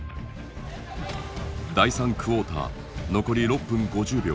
第３クォーター残り６分５０秒。